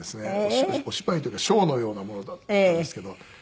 お芝居というかショーのようなものだったんですけど。